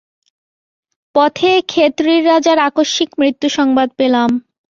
পথে খেতড়ির রাজার আকস্মিক মৃত্যুসংবাদ পেলাম।